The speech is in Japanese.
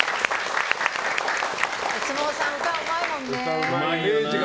お相撲さん、歌うまいもんね。